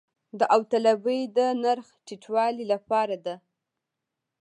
داوطلبي د نرخ ټیټولو لپاره ده